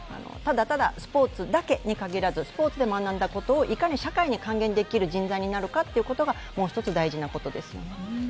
ただただスポーツだけに限らずスポーツで学んだことをいかに社会に還元できる人材になるかということがもう一つ大事なことですよね。